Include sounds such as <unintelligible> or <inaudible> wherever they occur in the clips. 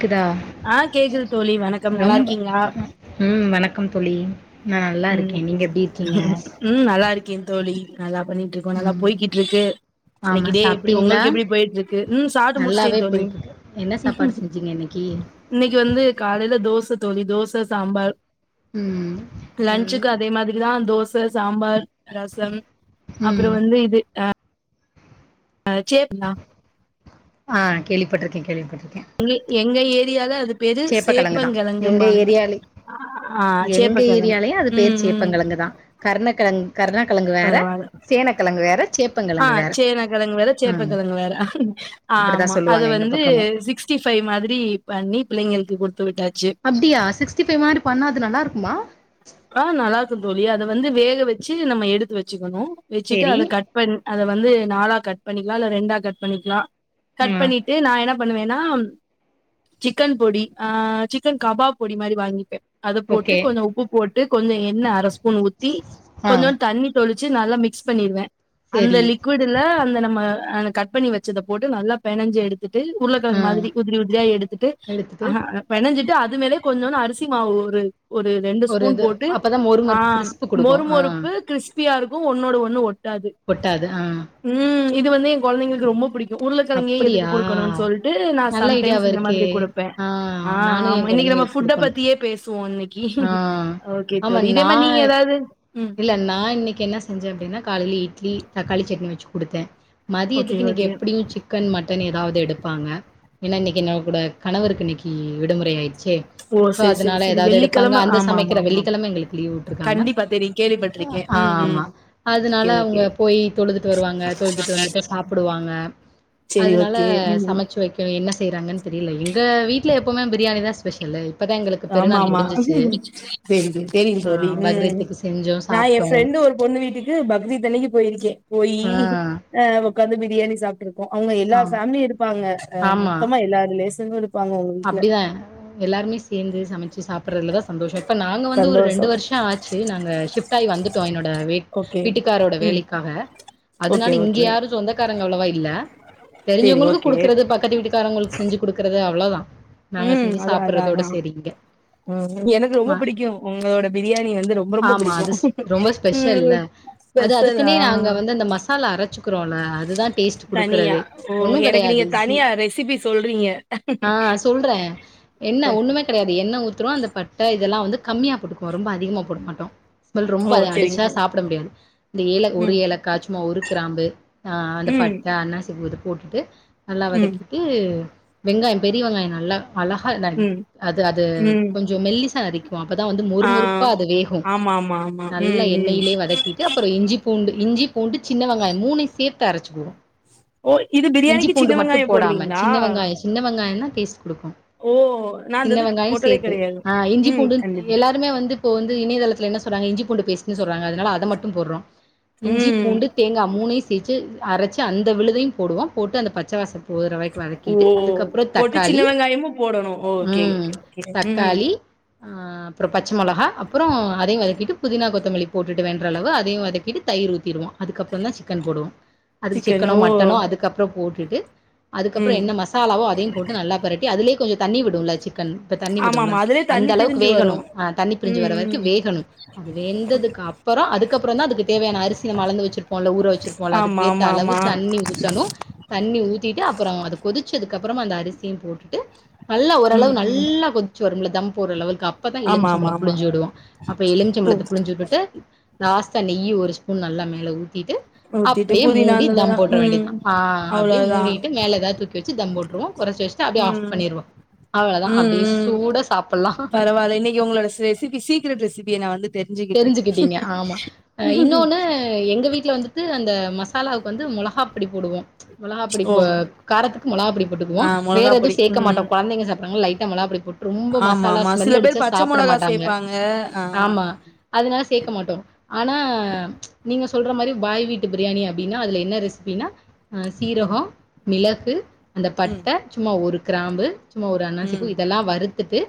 கேக்தா ஆ கேக்குது தோழி வணக்கம் நல்லா இருக்கீங்ளா ம் வணக்கம் தோழி நா நல்லா ம் இருக்கே நீங்க எப்டி இருக்கீங்க ம் நல்லாருக்கே தோழி நல்லா பண்ணிட்ருக்கோ நல்லா ம் போய்கிட்ருக்கு ஆமா இன்னைக்கி டே எப்டி சாப்ட்டீங்களா உங்களுக்கு எப்டி போயிட்ருக்கு ம் சாப்ட்டு முடிச்சிட்டே நல்லாவே தோழி போயிட்ருக்கு என்ன ம் சாப்பாடு செஞ்சீங்க இன்னைக்கி இன்னைக்கு வந்து காலைல தோச தோழி தோச சாம்பார் ம் என் லன்ச்சுக்கு அதே மாதிரிதா தோச சாம்பார் ரசம் அப்றோ ம் வந்து இது அ ஆ சேப்புன்னா ஆ கேள்விப்பட்ருக்கே கேள்விப்பட்ருக்கே தோழி எங்க ஏரியால அது பேரு சேப்பக்கெழங்கு தா எங்க சேப்பங்கெழங்கும்பாங்க ஏரியாலே ஆ எங்க சேப்பக்கெழ ஏரியாலயு அது ம் பேர் ம் சேப்பங்கெழங்கு தா கருணக்கெழங் கருணக்கெழங்கு வேற பரவால்ல சேனக்கெழங்கு வேற சேப் ஆ சேனா கெழங்கு வேற சேப்பக்கெழங்கு வேற அப்டிதா ஆமா அத சொல்லுவாங்க எங்க வந்து பக்கமு சிக் ஸ்டி ஃபைவ் மாதிரி பண்ணி பிள்ளைங்களுக்கு குடுத்து விட்டாச்சு அப்டியா சிக்ஸ்டி ஃபைவ் மாரி பண்ணா அது நல்லா இருக்குமா ஆ நல்லா இருக்கு தோழி அத வந்து வேக வச்சி நம்ம எடுத்து வச்சிக்கணு வச்சுட்டு சேரி அத கட் பண் அத வந்து நாலா கட் பண்ணிக்கலா இல்ல ரெண்டா கட் பண்ணிக்கலா கட் ம் பண்ணிட் டு நா என்ன பண்ணுவேன்னா சிக்கன் பொடி ஆ சிக்கன் கபாப் பொடி மாரி வாங்கிப்பே அத போட்டு ஓகே கொஞ்ச உப்பு போட்டு கொஞ்சோ எண்ணெ அரை ஸ்பூன் ஊத்தி ஆ கொஞ்சோண்டு தண்ணி தொளிச்சி நல்லா மிக்ஸ் பண்ணிருவே அந்த செரி லிக் வீடுல அந்த நம்ம அந்த கட் பண்ணி வச்சத போட்டு நல்லா பெனஞ்சி எடுத்துட்டு ஆ உருளைகெழங்கு மாதிரி உதிரி உதிரியா எடுத்துட்டு எடுத்துட்டு அஹா பெனஞ்சிட்டு அது மேலயே கொஞ்சோன்னு அரிசி மாவு ஒரு ஒரு ரெண்டு ஒரு ஸ்பூன் இது போட்டு அப்பதா மொறு ஆ மொறுப்பு கிறிஸ்பு குடுக்கு மொறு ஆ மொறுப்பு கிறிஸ்பியா இருக்கு ஒன்னோட ஒண்ணு ஒட்டாது ஒட்டாது ஆ ம் இது வந்து ஏ கொழந்தைங்களுக்கு ரொம்ப பிடிக் கு உருளக்கெழங்கே எதுக்கு அப்படியா குடுக்கணுன்னு சொல்லிட்டு நா நல்ல சம்டைம்ஸ் ஐடியாவா இந்த இருக்கே மாதிரி குடுப்பே ஆ நானு எ ஆமா இன்னக்கி நம்ம கொழந்தைங்களுக்கு ஃபுட்ட குடுக்கணு பத்தியே பேசுவோ இன்னக்கி ஆ ஓகே ஆமா தோழி இதே நா மாரி நீங்க ஏதாவது ம் இல்ல நா இன்னக்கி என்ன செஞ்சே அப்டின்னா காலேல இட்லி தக்காளி சட்னி வச்சு குடுத்தே ஓகே மதியத்துக்கு இன்னக்கி ஓகே எப்டியு சிக் கன் மட்டன் ஏதாவது எடுப்பாங்க ஏன்னா இன்னக்கி என்னோட கணவருக்கு இன்னக்கி விடுமுறை ஆயி ச்சே ஓ சோ செரி செரி அதனால செரி எதாவது எடுப் பாங்க வெள்ளிக்கிழம அந்த ஆமா ஆமா சமைக்கிற ஆமா வெள்ளிக்கெழம எங்களுக்கு லீவ் விட்டுருக்காங்க கண்டிப்பா தெரியு கேள்விப்பட்டிருக்கே ஆ ம் ம் ஆமா அதுனால ஓகே ஓகே அவங்க போய் தொழுதுட்டு வருவாங்க தொழுதுட்டு வந்துட்டு சாப்டுவாங்க செரி அதுனால ஓகே ம் சமைச்சு வைக்க என்ன செய்றாங்கன்னு தெரில எங்க வீட்ல எப்பவுமே பிரியாணி தா ஸ்பெஷலு இப்பதா எங்களுக்கு பெருநாள் முடிசுச்சு ம் தெரிது தெரியு தோழி ம் பக்ரீத்துக்கு செஞ்சோம், நா ஏ சாப்ட்டோம். ஃப்ரெண்டு ஒரு பொண்ணு வீட்டுக்கு பக்ரீத் அன்னக்கி போயிருக்கே போயி ஆ ஒக்காந்து பிரியாணி சாப்ட்டுருக்கோ அவங்க எல்லா ஆமா ஃபேமிலியு இருப்பாங்க ஆ ஆமா மொத்தமா எல்லா ரிலேஷன்னு இருப் அப்டிதா எல்லாருமே சேந்து சமைச்சி சாப்ட்றதுலதா சந்தோஷோ இப்ப நாங்க வந்து ஒரு சந்தோஷோ ரெண்டு வருஷோ ஆச்சு நாங்க ஷிப்ட ஆயி வந்துட்டோ என்னோட ஆ வீட் ஓகே வீட்டுக்காரோட ம் வேலைக்காக ஓகே அதனால இங்க ஓகே யாரு சொந்தக்காரங்க அவ்ளவா இல்ல செரி தெரிஞ்சவங்களுக்கு ஓகே குடுக்குறது பக்கத்து வீட்டுக்காரங்களுக்கு செஞ்சு குடுக்குறது அவ்ளதா நாங்க ம் செஞ்சி அதா அதா சாப்ட்றதோட அதா செரி இங்க ம் எனக்கு ரொம்ப ஆ பிடிக்கு உங்களோட பிரியாணி வந்து ரொம்ப ரொம்ப ஆமா பிடிக்கு அது ஸ்- ரொம்ப ஸ்பெஷல்ல ம் அது அதுக்குன்னே ஸ்பெஷலா நாங்க வந்து அந்த மசாலா அரைச்சுப் றோல அதுதா டேஸ்ட் தனியா குடுக்கறதே ஓ ஒன்னு எனக்கு கெடையாது நீங்க சி தனியா ரெசிபி சொல்றீங்க ஆ சொல் றே என்ன ஓகே ஒண்ணுமே கெடையாது எண்ணெ ஊத்துறோ இந்த பட்டை இதெல்லா வந்து கம்மியா போட்டுக்குவோ ரொம்ப அதிகமா போட மாட்டோ ஸ்மல் ரொம்ப ஓ அது சரிங்க அடிச்சா சரி சாப்புட முடியாது இந்த ஏல ஒரு ம் ஏலக்காய் சும்மா ஒரு கிராம்பு அ அந்த ம் பட்ட அன்னாசி பூ இது போட்டுட்டு நல்லா ம் வதக்கிட்டு வெங்காயோ பெரிய வெங்காயோ நல்லா அழகா இதாயிடணு ம் அது அது ம் கொஞ்சோ மெல்லிசா அரிக்கு அப்பதா வந்து மொறு ஆ மொறுப்பா அது வேகு ஆமா ஆமா ஆமா நல்லா ம் ம் எண்ணெயிலயே வதக் கிட்டு அப்பறோ இஞ்சி பூண்டு இஞ்சி பூண்டு சின்ன வெங்காயோ மூனயு சேத்து அரைச்சுக்குவோ ஓ இது இஞ்சி பிரியாணிக்கு பூண்டு சின்ன மட்டு வெங்காயம் போடாம போடுவீங்களா சின்ன வெங்காயோ சின்ன வெங்காயந்தா டேஸ்ட் குடுக்கு ஓ நான் அந்த சின்ன இது வெங்காயோ போட்டதே சேத்து கெடையாது ஆ இஞ்சி ம் பூண்டு கண்டிப்பா எல்லாருமே வந்து இப்போ வந்து இணையதளத்துல என்ன சொல்றாங்க இஞ்சி பூண்டு பேஸ்ட்டுன்னு சொல்றாங்க அதனால அத மட்டு போட்றோ இஞ்சி ம் பூண்டு தேங்கா மூனயு சேச்சி அரைச்சி அந்த விழுதையு போடுவோ போட்டு அந்த பச்சை வாச போறவரைக்கு ஓ போட்டு சின்ன வெங்காயமு போடணு ஓகே ம் ஓகே ஓகே ம் அப்பற பச்ச மொலகா அப்பற அதயு வதக்கிட்டு புதினா கொத்தமல்லி போட்டுட்டு வென்ற அளவு அதயு வதக்கிட்டு தயிர் ஊத்திடுவோ அதுக்கப்பறதா சிக்கன் போடுவோ அதுக்கு சிக்கன் சிக்கனோ ஓ மட்டனோ அதுக்கப் அப்பற போட்டுட்டு அதுக்கப்பற ம் என்ன மசாலாவோ அதையு போட்டு நல்லா பெரட்டி அதுலயே கொஞ்ச தண்ணி விடும்ல்ல சிக்கன் தண்ணி ஆமா விடும்ல ஆமா அதுலயே அந்த தண்ணி அளவுக்கு பிரிஞ்சு வேகணு வரும் அஹ் தண்ணி பிரிஞ்சு வர ம் வரைக்கு ம் வேகணும் அது வெந்ததுகப் ப்பற அதுக்கப்பற தா அதுக்கு தேவயான அரிசிய நம்ம அளந்து வச்சிருப்போம்ல்ல ஊர வச்சிருப்பேம்ல அதுக்கு ஆமா ஏத்த ஆமா அளவு ஆமா தண்ணி ஊத்தணு தண்ணி ஊத்திட்டு அப்பற அது கொதிச்சதுக்கு அப்பறமா இந்த அரிசியு போட்டுட்டு நல்லா ம் ஓரளவு ம் நல்லா கொதிச்சு வரும்ல்ல தம்ப் போர்ர லெவல்க்கு அப்பதா ஆமா ஆமா எலுமிச்சம்பலம் ஆமா புழஞ்ச விடுவோ அப்ப எலிம்பிச்ச ஓ பளத்த புழிஞ்சு வுட்டுட்டு லாஸ்டா நெய்யி ஒரு ஸ்பூன் நல்லா மேல ஊத்திட்டு ஊத்திட்டு அப்டியே புதினா மூடி அந்ததெல்லா தம் போட்ர ம் வேண்டியதுதா ஆஹ் அப்டியே அவ்ளோதா மூடிட்டு மேல எதாது தூக்கி வச்சு தம் போட்டுருவோ குறைச்சு வச்சுட்டு அப்டியே ஆஃப் ம் பண்ணிருவோ அவ்ளதா ம் அப்டிேயே ம் சூடா சாப்புட்லா பரவால்ல இன்னிக் உங்களோட ச ரெசீபீ சீக்ரட் ரெசிபிய என்ன நா வந்து தெரிஞ்சுக்கிட்டே தெரிஞ்சுக்கிட்டீங்க ஆமா ஆ இன்னொன்னு எங்க வீட்டுல வந்து அந்த மசாலாவுக்கு வந்து மொளகாப்பொடி போடுவோ மொளகாப்படி ஓ ப்பே காரத்துக்கு மொளாகா பொடி போட்டுக்குவோ ஆ வேற மொளகா எதுவு பொடி சேர்க்க மாட்டோ ம் குழந்தைங்க சாப்பறாங்க லைட்டா மொளாகாபொடி ரொம்ப ஆமா மசாலா ஆமா சில ஸ்மெல் பேர் அடிச்சா பச்ச சாப்புட மொளகா மாட்டாங்க சேப்பாங்க ஆ ஆமா அதனால சேர்க்க மாட்டோ ஆனா நீங்க சொல்ற மாரி பாய் வீட்டு பிரியாணி அப்டின்னா அதுல என்ன ரெசிபினா சீரக ம் மிளகு அந்த ம் பட்ட சும்மா ஒரு கிராம்பு சும்மா ஒரு அண்ணாசி பூ ம் இதெல்லா வறுத்துட்டு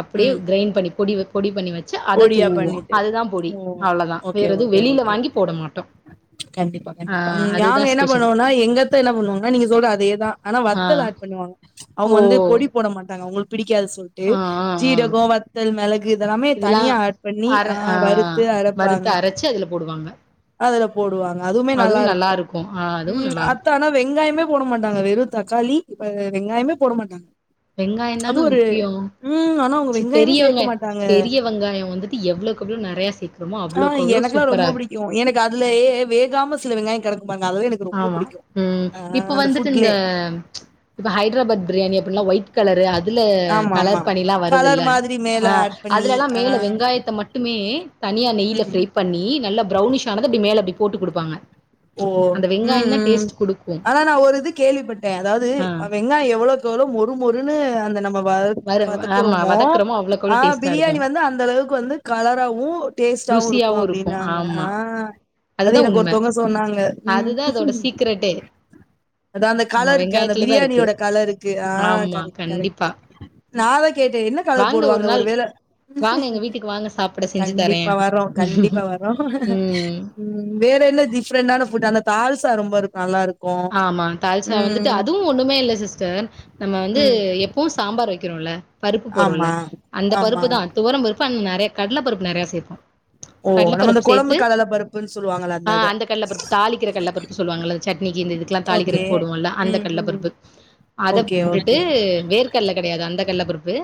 அப்டியே ம் கிரைண்ட் பண்ணி பொடி வப் பொடி பண்ணி வச்சு அத பொடியா தூவோ பண்ணிட்டு அதுதா பொடி ஓ அவ்ளவுதா வேற ஓகே எதுவு ஓகே வெளியில ஓகே வாங்கி போட மாட்டோ கண்டிப்பா கண்டிப்பா நாங்க என்ன பண்ணுவம்னா எங்கத்த என்ன பண்ணுவாங்கன்னா நீங்க சொல்ற அதேதா ஆனா ஆ. வத்தல் ஆட் பண்ணுவாங்க அவங்க ஓ! வந்து பொடி போட மாட்டாங்க அவங்களுக்கு பிடிக்காது சொல்லிட்டு ஆ, ஆ, ஆ. ஜீரகம் வத்தல் மிளகு இதல்லாமே இதெல்லாம் தனியா ஆட் பண்ணி அர அ ஆ வறுத்து அரப்பாங்க வறுத்து அரைச்சு அதுல போடுவாங்க. அதுல போடுவாங்க அதுமே நல்லா அதுவும் இருக்கும் நல்லாருக்கும். ஆ அதுவும் ம் நல்லாருக்கும். அத்த ஆனா வெங்காயமே போட மாட்டாங்க வெறு தக்காளி <unintelligible> வெங்காயமே போட மாட்டாங்க வெங்காயம் அது தாங்க ஒரு முக்கியம் ம் ஆனா அவங்க சி பெரிய வெங்காயமே சேக்க வெங்காய மாட்டாங்க பெரிய வெங்காயம் வந்துட்டு எவ்வளவுக்கு எவ்ளோ நெறையா சேக்கறமோ ஆ அவ்வளவுக்கு அவ்ளோ எனக்குல்லாம் சூப்பர ரொம்ப இருக்கும் எனக்கு அதுலயே வேகாம சில வெங்காய கெடைக்கு பாருங்க அதுவே எனக்கு ரொம்ப ஆமா பிடிக்கும் ம் ஆ இப்ப அந்த வந்துட்டு இந்த ஃபுட்லே ப்ச் இப்ப ஹைதராபாத் பிரியாணி அப்டின்ல்லா ஒயிட் புட் கலர் அதுல ஆமா ஆமா கலர் பண்ணிலா கலர் வருதுல்ல மாதிரி மேல அ ஆட் பண்ணி அதுலல்லா ஆ மேல வெங்காயத்த மட்டு மட்டுமே தனியா நெய்ல ம் ஃப்ரை பண்ணி நல்லா பரௌனிஷ ஆனது அப்டி மேல அப்டி போட்டு கொடுப்பாங்க ஓ ம் ம் குடுக்கு ஆனா நா ஒரு இது கேள்விப்பட்ட அதாவது ஆ அவ எல்லா எவ்வளவுக்கு எவ்ளோ மொரு மொருன்னு அந்த நம்ம வத வரு ஆமா வதக்குறோமோ வதக்குறோமோ அவ்வளோக்கு அ அவ்வளோ டேஸ்ட்டா இருக்கு பிரியாணி வந்து அந்த அளவுக்கு வந்து கலராவு டேஸ்டாவவும் இருக்கும் ருசியாவு இருக்கு அப்டின்னாங்க ஆமா அ அதுதா உண்ம சொன்னாங்க ம் விட்டு அதா அந்த கலருக்கு அந்த இருக்கு பிரியாணியோட கலர்க்கு அ ஆமா கரெக்ட் கரெக்ட் கண்டிப்பா நா அதா கேட்ட என்ன கலர் வாங்க போடுவாங்க ஒரு நாள் வேள வாங்க எங்க வீட்டுக்கு வாங்க சாப்பிட செஞ்சு தரே கண்டிப்பா வரோ கண்டிப்பா வரோ ம் ம் வேற என்ன டிஃப்ரெண்டான ஃபுட் அந்த தால்சா ரொம்ப இருக் நல்லா இருக்கு ஆமா தால்சா வந்துட்டு அதுவு ஒன்னுமே இல்ல சிஸ்டர் நம்ம வந்து ம். எப்பவு சாம்பார் வெக்கிறோல பருப்பு பொருளுல்ல ஆமா, அந்த ஆமா. பருப்பு தா துவரம் பருப்பு அந் நறைய கடல பருப்பு நறைய சேப்போ ஓ! கடல நம்ம இந்த பருப்பு குழம்பு சேத்து கடல பருப்புன்னு சொல்லுவாங்கல்ல அ இத. அந்த கல்ல பருப்பு தாளிக்கிற கல்ல பருப்பு சொல்லுவாங்கல்ல சட் ட்னிக்கு இந்த இதுக்கெல்லா ஓகே. தாளிக்கிறதுக்கு போடுவோல்ல அந்த ம், ம். கடலபருப்பு அத ஓகே, போட்டுட்டு ஓகே. வேர்கல்ல கெடையாது அந்த கல்ல பருப்பு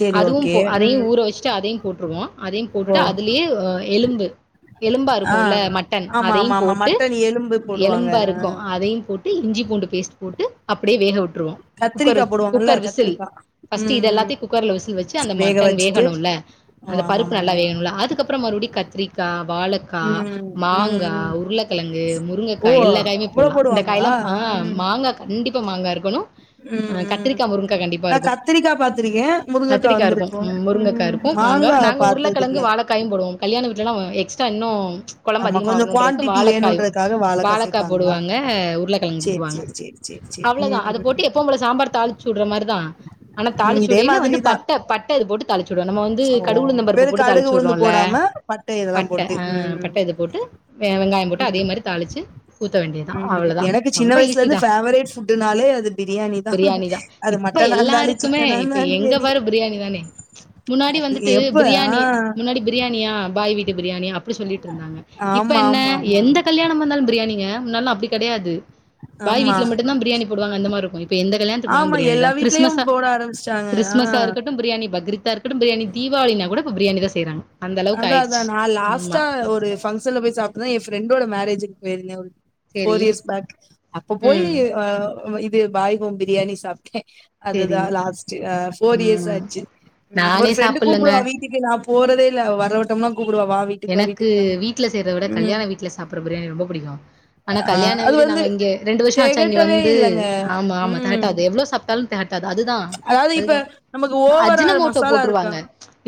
சரி, அதுவும் ஓகே. போ அதையு ம். ஊற வெஷ்ட்டு அதையு போட்டுருவோ அதையு ஓ! போட்டுட்டு அதுலயே எலும்பு எலும்பா ஆ. இருக்குல்ல மட்டன் ஆமா, அதையு ஆமா, ஆமா. போட்டு மட்டன் எலும்பு போடுவாங்க. எலும்பா ஆ. இருக்கு அதையு போட்டு இஞ்சி பூண்டு பேஸ்ட் போட்டு அப்படியே வேக விட்டுருவோ குக்கரு கத்திரிக்கா போடுவாங்கல்ல குக்கர் விசில் கத்திரிக்கா. ஃபர்ஸ்ட் ம், இது ம். எல்லாத்தையு குக்கர்ல விசில் வச்சு அந்த வேக மட்டன் வச்சுட்டு வேகணும்ல ஓ! அந்த பருப்பு நல்லா ஆமாமாமா. வேகணுல அதுக்கப்றோ மறுபடி கத்திரி க்கா வாழக்கா ம், ம், மாங்கா ம். உருளக்கெழங்கு ஓ முருங்கக்கா எல்லா காயுமே அவ்ளோ போட்லா இந்த போடுவாங்களா காய்லா அ ம் மாங்கா கண்டிப்பா மாங்கா இருக்கணு அ ம் ம் கத்திரிக்கா முருங்கா கண்டிப்பா நா இருக்கு கத்திரிக்கா பாத்திருக்கே முருங்கக்கா கத்திரிக்கா இருக்கு வந்திருக்கு முருங்கக்கா ம் இருக் கு நாங்க மாங்கா நாங்க உருளக்கெழங்கு பாத்ததில்ல வாழைகாயு போடுவோ கல்யாண வீட்லல்லா எக்ஸ்ட்ரா இன்னு கொழம்பு ஆமா அதிகமா கொஞ்சோ வரணுன்றதுக்கு குவான்டிட்டி வாழைக்காயு வேணுன்றதுக்காக வாழக்கா வாழைக்கா சேப்பாங்களா போடுவாங் ங்க உருளக்கெழங்கு சேரி போடுவாங்க சேரி சேரி சேரி சேரி அவ்ளவுதா ம் அது போட்டு ம் எப்போ எப்பவு போல சாம்பார் தாளிச்சிவுட்ற மாரி தா ஆனா ம் இதே தாளிச்சிவுடையில வந்து மாதிரிதா பட்ட பட்ட இது போட்டு தாளிச்சிவுடுவோ நம்ம வந்து ஓ கடுகு ஊளுத்தம் பருப்பு வெறு போட்டு கடுகு தாளிச்சி உளுந்து உட்றோல்ல போடாம பட்ட இதெல்லா பட்ட போட்டு ஆ ம் பட்ட இது போட்டு வெங்காயோ போட்டு அதே ம் மாரி தாளிச்சு ஊத்த வேண்டிது ம் எனக்கு சின்ன வயசுல இருந்து ஃபேவரிட் ஃபுட்டுனாலே அது பிரியாணி தா அது இப்ப மட்டனா இருந்தாலு எல்லாருக்குமே சிக்கனா இப்ப இருந்தாலு எங்க சரி பாரு பிரியாணி தானே முன்னாடி கண்டி வந்துட்டு எப்ப பிரியாணி ஆ முன்னாடி பிரியாணியா பாய் வீட்டு பிரியாணியா அப்டி சொல்லிட்டு இருந்தாங்க இப்ப ஆமா என்ன ஆமா ஆமா எந்த கல்யாணம் ம வந்தாலும் பிரியாணிங்க முன்னால்லா அப்டி கெடையாது பாய் ஆமா வீட்ல மட்டும் பிரியாணி போடுவாங்க அந்த மாரி இருக்கு எந்த கல்யாணத்துக்கு போனாலு ஆமா பிரியாணி எல்லா தா வீட்லயும் கிறிஸ்மஸ்ஸா போட ஆரம்பிச்சுட்டாங்க. ஆ கிறிஸ்மஸ்ஸா இருக்கட்டு பிரியாணி பக்ரீத்தா இருக்கட்டு பிரியாணி தீபாவளினா கூட இப்ப பிரியாணி தா செய்றாங்க அந்த அளவுக்கு அதா அதா ஆயிடுச்சு நா ஆமா லாஸ்டா ஒரு ஃப்ஷன்ல போய் சாப்புட்டுதா எயா ஃப்ரெண்டோட மேரேஜக்கு போயிருந்தே ஒரு சேரி ஃபோர் இயர்ஸ் பேக் அப்ப போய் ம் அ இது பாய்வோம் பிரியாணி சாப்டே சேரி அதுதா லாஸ்ட் அ ஃபோர் இயர்ஸ் ம் ஆச்சி ம் ஒரு நானே ஃப்ரெண்டு் சாப்புல்லங்க கூப்புடுவாங்க இப் வீட்டுக்கு நா போறதே இல்ல அவ வர வட்டம்லா கூப்புடுவா வாவி எனக்கு வீட்டுல செய்யறத விட கல்யாண வீட்ல சாப்புட்ற பிரியாணி ரொம்ப புடிக்கு ஆனா அ கல்யாண அது வீடு வந்து நாங்க இங்க ரெண்டு வருஷோ ஆச்சா இங்க தெகட்டவே வந்து இல்லங்க. ஆமா ஆமா ம். தெகட்டாது எவ்ளோ சாப் ட்டாலு தெகட்டாது அதுதா அதாவது இப்ப அதுதா நமக்கு ஓவரா அஜினமோட்டோ மசாலா இருக்கா போட்றுவாங்க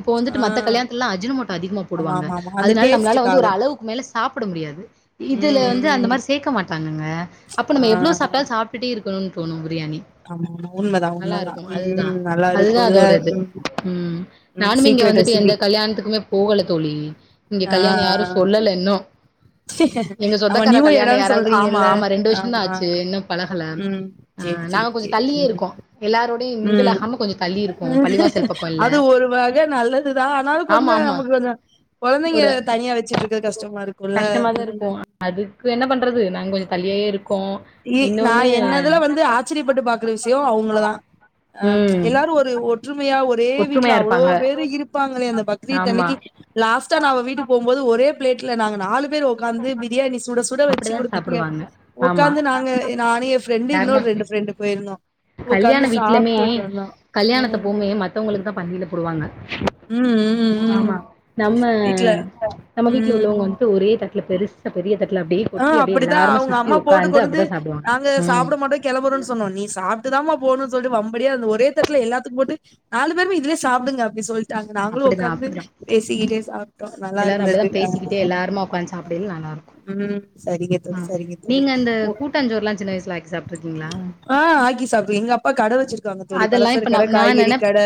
இப்போ ஆ வந்துட்டு மத்த கல்யணத்துலல்லா அர்ஜினமோட்டோ அதிக ஆமா போவாங்க ஆமா ஆமா அந்த அதனால நம்மளால வந்து டேஸ்ட்டுக்காக ஒரு அளவுக்கு மேல சாப்புட முடியாது இதுல ம் வந்து அந்த ம் மாரி சேக்க மாட்டாங்கங்க அப்ப ஆ நம்ம எவ்ளோ சாப்டாலு சாப் டுட்டே இருக்கணுன்னு தோணு பிரியாணி ஆமா ஆமா உண்மதா நல்லா உண்மதா இருக்கு அதுதா ம் நல்லா அதுதா இருக்குல்ல அதோட இது ம் ம் ம் நானுமே இங்க சீக்ரெட் வந்துட்டு எந்த ரெசிபி கல்யாணத்துக்குமே போகல தோழி இங்க ஆ கல்யாணோ யாரு சொல்லல இன்னு எங்க ஆமா சொந்தக்கார நியூ கல்யாண எடம்னு யாராவது ஆமா சொல்றீங்கல்ல ஆமா ரெண்டு வருஷந்தா ஆமா ஆச்சு இன்னு பழகல ம் ஆ சேரி நாங்க சேரி கொஞ்ச சேரி தள்ளியே ம் இருக்கோ எல்லாரோடையு ம் மிங்குலாகாம கொஞ்ச தள்ளி இருக்கோ பழிவாசல் அது ஒரு வகை நல்லதுதா ஆனா கொஞ்ச ஆமா ஆமா நமக்கு கொஞ்ச கொழந்தைங்க ஒரு தனியா வச்சுட்ருக்க கஷ்டமா இருக்கு கஷ்டமாதா இருக்கு அதுக்கு என்ன பண்றது நாங்க கொஞ்ச தள்ளியே இருக்கோ இ நா இன்னொன்னு என்னதுல வந்து ஆச்சரிய பட்டு பாக்குற விஷயோ அவுங்கள தா அ ம் எல்லாரு ஒரு ஒற்றுமையா ஒரு ஒரே வீட்ல ஒற்றுமையா அவ்ளோ இருப்பாங்க பேரு இருப்பாங்களே அந்த பக்ரீத் ஆமா அன்னைக்கி லாஸ்டா நா அவ வீட்டுக்கு போம்போது ஒரே பிளேட்ல நாங்க நாலு பேர் ஒட்காந்து பிரியாணி சுட சு சுட வச்சு அப்டிதா குடுத்தாங்க சாப்டுவாங்க ஆமா ஒக்காந்து நாங்க நானு ஏ ஃப்ரெண்டு எல்லாருமா இன்னொரு ரெண்டு ஃப்ரெண்டு போயிருந்தோ கல்யாண உக்காந்து வீட்லுமே சாப்ட்டுட்டு வந்தோ கல்யாணத்த ம் போவுமே மத்தவங்களுக்கு தா பண்டியில போடுவாங்க ம் ம் ம் ஆமா நம்ம வீட்ல நம்ம வீட்ல ம் உள்ளவங்க வந்துட்டு ஒரே தட்ல பெருசு பெரிய தட்ல அப்டியே ஆ கொட்டி அப்டியே அப்படிதான் எல்லாருமா அவங்க சுத்தி அம்மா உக்காந்து அப்டிதா சாப்டுவாங்க ம் கெளம்புறோன் சொன்னோ நீ சாப்ட்டுதாமா போணு சொல்ட்டு வம்படியா அந்த ஒரே தட்ல எல்லாத்துக்கு போட்டு நாலு பேருமே இதுலயே சாப்டுங்க அப்டி சொல்ட்டாங்க நாங்களு அப்டிதா உக்காந்து அப்டிதா பேசிக்கிட்டே சாப் எல்லாரு அப்டிதா பேசிக்கிட்டே எல்லாருமா உக்காந்து சாப்டேல நல்லாருக்கு ம் சரிங்க ஆ தோழி, சரிங்க தோழி. நீங்க அந்த ஒ கூட்டாஞ்சோருல்லா சின்ன வயசுல ஆக்கி சாப்ட்ருக்கீங்களா ஆ ஆக்கி சாப்டு எங்க அப்பா கட வச்சிருக்காங்க தோழி அதெல்லா இப்ப நா பலசரக்கட நா காய்கறி நெனப் கட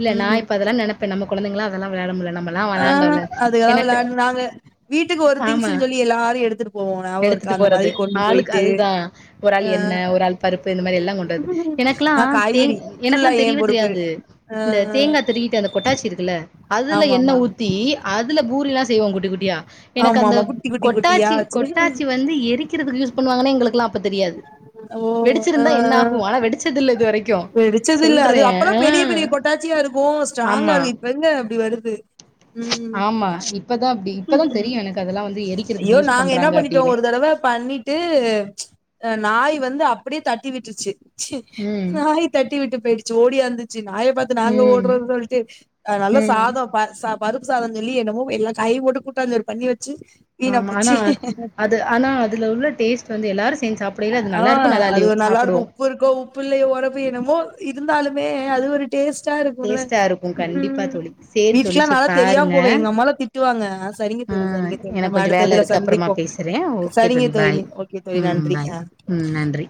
இல்ல நா ம் அதெல்லா இப்ப நெனப்பே நம்ம கொழந்தங்களா அதெல்லா விளையாட முடில நம்ம ஆ அதுக்கல்லா விளா நாங்க வீட்டுக்கு ஒரு ஆமா திங்ஸ்ன்னு சொல்லி எல்லாரு எடுத்து எடுத்துட்டு போறது ஆளுக்கு அதுதா ஒரு அ ஆள் எண்ணெ ஒரு ஆள் பருப்பு இந்த மாரி எல்லா கொண்டுது எனக்கு ஆ ஆ நான் தேங் காய்கறி ஃபுல்லா எனக்குல்லா ஏன் தெரியவே பொறுப்பு. தெரியாது அ இந்த அ தேங்கா தருக்கிட்டு அந்த கொட்டாச்சி இருக்குல்ல அதுல எண்ணெ ஆமாமா ஊத்தி அதுல பூரில்லா செய்வோ குட்டி குட்டியா எனக்கு அந்த ஆமாமா குட்டி குட்டி குட்டியா கொட்டாச்சி வச்சு கொட்டாச்சி வந்து எரிக்கிறதுக்கு யூஸ் பண்ணுவாங்கனே எங்களுக்குல்லா அப்ப தெரியாது ஓ ஆ வெடிச்சிருந்தா என்னாகும் ஆனா வெடிச்ச துல்ல இது வரைக்கு வெடிச்சது இல்ல அது சொல்றே அப்பல்லா ஆ பெரிய ஆமா வெங்க அப்டி வருது ம் ஆமா இப்பதா அப்டி இப்பதா தெரியு எனக்கு அதெல்லா வந்து ஐயோ எரிக்கிறதுக்கு யூஸ் நாங்க என்ன பண்றாங்க பண்ணிட்டோ அப்டின்னு ஒரு தடவ பண்ணிட் ட்டு நாய் வந்து அ அப்டியே தட்டி விட்டுருச்சு சு ம் நாய் தட்டி விட்டு போயிடுச்சு ஓடியாந்துச்சு நாய பாத்து நாங்க ம் ஓடுறணு சொல்ட்டு ஆ நல்ல ம் சாத ப ச பருப்பு சாத சொல்லி என்னமோ எல்லா காயு போட்டு கூட்டாஞ்சோறு பண்ணி வச்சு வீணா ஆமா போச்சி ஆனா அது உள்ள டேஸ்ட்டு வந்து எல்லாரு சேஞ் சாப்ட ஆ அது ஒரு நல்லாருக்கு உப்பு இருக்கோ உப்பு இல்லையோ ஒரப்பு என்னமோ இருந்தாலுமே அது ஒரு டேஸ்டா இருக்கும்ல டேஸ்ட்டா இருக்கோ கண்டிப்பா ம் தோழி சேரி தோழி வீட்டுக்குல்லா செரி நாளா தெரியாம பாருங்க போவே எங்கம்மாலா தி ட்டுவாங்க சரிங்க ஆ தோழி சரிங்க தோழி எனக்கு நம்ம கொஞ்சோ வேல அடுத்ததுல இருக்கு அப்றமா சந்திப்போம பேசுறே ஓகே சரிங்க தோழி பாய் நன்றி தோழி ம் நன்றி பாய் அ ம் நன்றி